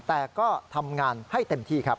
แต่ก็ทำงานให้เต็มที่ครับ